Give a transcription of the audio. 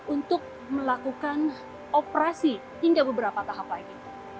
untuk melakukan operasi hingga beberapa tahap lagi